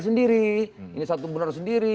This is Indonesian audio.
sendiri ini satu benar sendiri